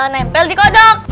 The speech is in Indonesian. nempel di kodok